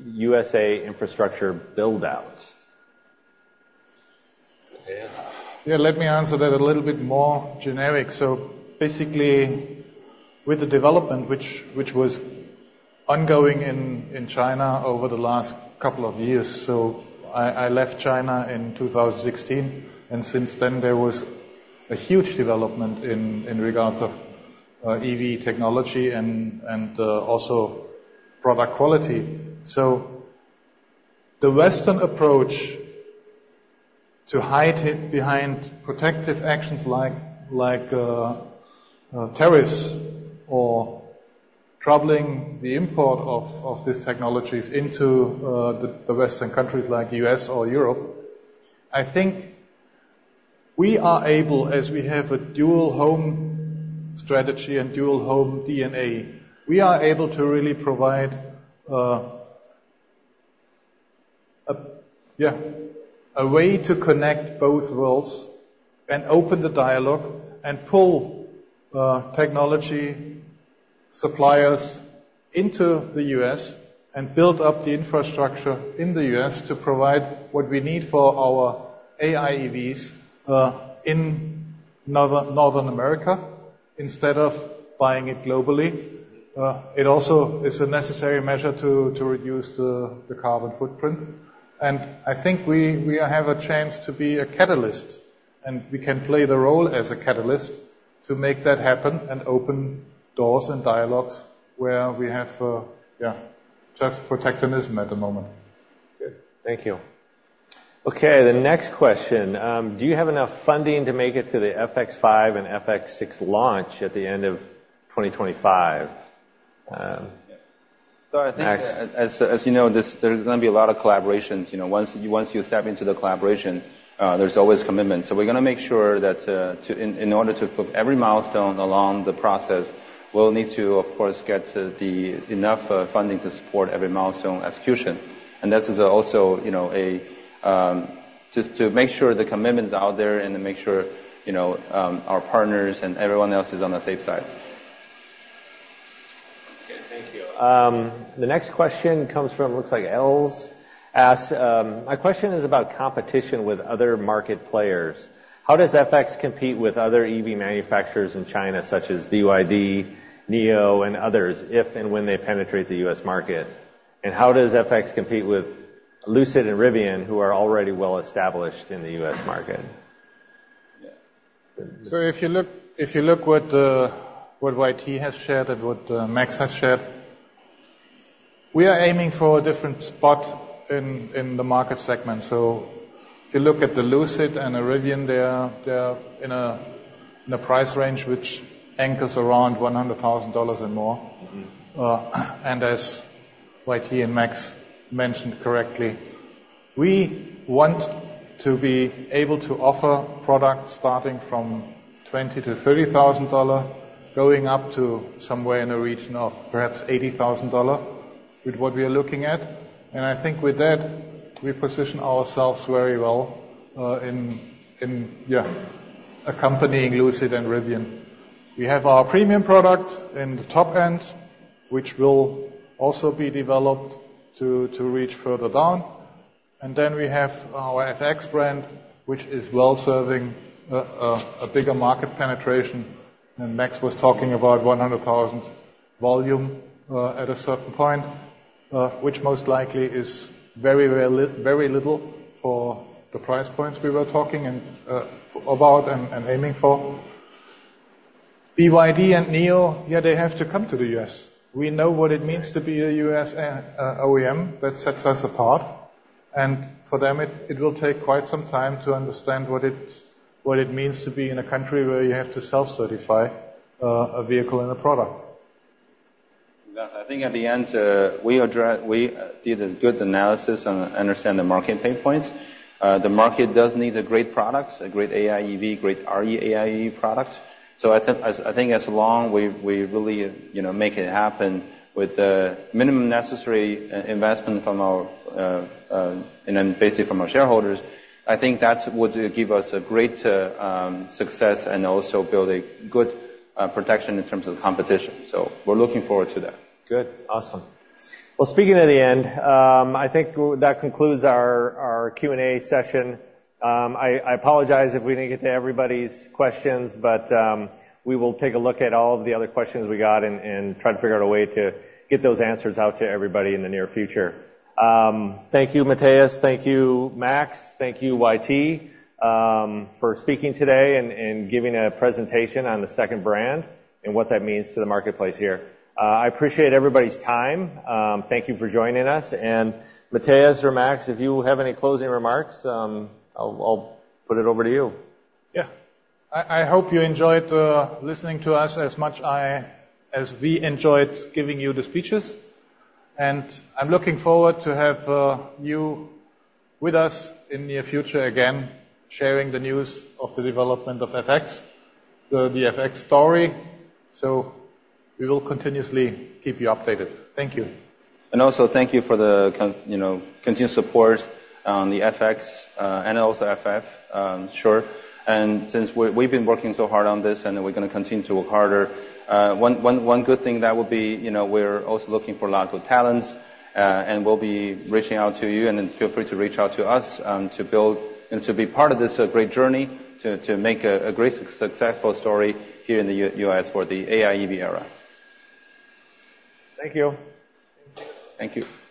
USA infrastructure build-outs?" Matthias? Yeah, let me answer that a little bit more generic. So basically, with the development, which was ongoing in China over the last couple of years. So I left China in 2016, and since then there was a huge development in regards of EV technology and also product quality. The Western approach to hide it behind protective actions like tariffs or troubling the import of these technologies into the Western countries like U.S. or Europe. I think we are able, as we have a dual home strategy and dual home DNA, we are able to really provide a way to connect both worlds and open the dialogue and pull technology suppliers into the U.S., and build up the infrastructure in the U.S. to provide what we need for our AIEVs in North America, instead of buying it globally. It also is a necessary measure to reduce the carbon footprint, and I think we have a chance to be a catalyst, and we can play the role as a catalyst to make that happen and open doors and dialogues where we have just protectionism at the moment. Good. Thank you. Okay, the next question: "Do you have enough funding to make it to the FX 5 and FX 6 launch at the end of 2025?" Max- I think as you know, there's gonna be a lot of collaborations. You know, once you step into the collaboration, there's always commitment. We're gonna make sure that in order to fulfill every milestone along the process, we'll need to, of course, get enough funding to support every milestone execution. And this is also, you know, just to make sure the commitments are out there, and to make sure, you know, our partners and everyone else is on the safe side. Okay, thank you. The next question comes from, looks like Els, asks: "My question is about competition with other market players. How does FX compete with other EV manufacturers in China, such as BYD, Nio, and others, if and when they penetrate the US market? And how does FX compete with Lucid and Rivian, who are already well-established in the US market? So if you look what YT has shared and what Max has shared, we are aiming for a different spot in the market segment. So if you look at the Lucid and the Rivian, they are in a price range which anchors around $100,000 or more. Mm-hmm. And as YT and Max mentioned correctly, we want to be able to offer products starting from $20,000-$30,000, going up to somewhere in the region of perhaps $80,000, with what we are looking at. And I think with that, we position ourselves very well in accompanying Lucid and Rivian. We have our premium product in the top end, which will also be developed to reach further down. And then we have our FX brand, which is well-serving a bigger market penetration. And Max was talking about 100,000 volume at a certain point, which most likely is very rarely very little for the price points we were talking about and aiming for. BYD and NIO, they have to come to the US.We know what it means to be a U.S. OEM, that sets us apart, and for them, it will take quite some time to understand what it means to be in a country where you have to self-certify a vehicle and a product. Yeah. I think at the end, we did a good analysis and understand the market pain points. The market does need great products, a great AIEV, great RE-AIEV product. So I think as long as we really, you know, make it happen with the minimum necessary investment from our, and then basically from our shareholders, I think that would give us a great success and also build a good protection in terms of competition. So we're looking forward to that. Good. Awesome. Well, speaking of the end, I think that concludes our, our Q&A session. I apologize if we didn't get to everybody's questions, but, we will take a look at all of the other questions we got and, and try to figure out a way to get those answers out to everybody in the near future. Thank you, Matthias. Thank you, Max. Thank you, YT, for speaking today and, and giving a presentation on the second brand and what that means to the marketplace here. I appreciate everybody's time. Thank you for joining us. And Matthias or Max, if you have any closing remarks, I'll put it over to you. Yeah. I hope you enjoyed listening to us as much as we enjoyed giving you the speeches, and I'm looking forward to have you with us in the near future again, sharing the news of the development of FX, the FX story. So we will continuously keep you updated. Thank you. And also thank you for the continued support, you know, the FX and also FF. And since we've been working so hard on this, and we're gonna continue to work harder. One good thing that would be, you know, we're also looking for a lot of talents, and we'll be reaching out to you, and then feel free to reach out to us, to build and to be part of this great journey, to make a great successful story here in the U.S. for the AIEV era. Thank you. Thank you.